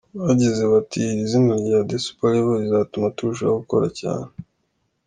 Bagize bati :”iri zina rya The Super Level rizatuma turushaho gukora cyane.